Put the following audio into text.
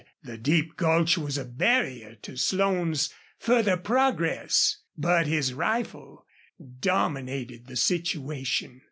The deep gulch was a barrier to Slone's further progress, but his rifle dominated the situation.